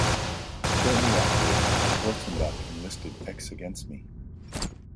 Shortly afterwards Schwarzenbach enlisted ex-Against Me!